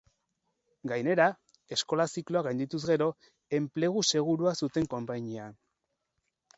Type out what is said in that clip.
Gainera, eskola-zikloa gaindituz gero, enplegu segurua zuten konpainian.